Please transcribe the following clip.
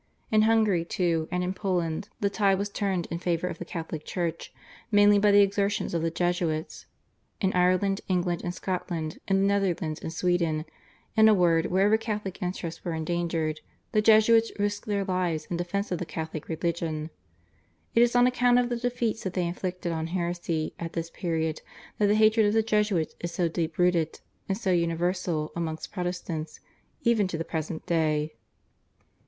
In Hungary, too, and in Poland the tide was turned in favour of the Catholic Church mainly by the exertions of the Jesuits. In Ireland, England and Scotland, in the Netherlands, and Sweden, in a word wherever Catholic interests were endangered, the Jesuits risked their lives in defence of the Catholic religion. It is on account of the defeats that they inflicted on heresy at this period that the hatred of the Jesuits is so deep rooted and so universal amongst Protestants even to the present day.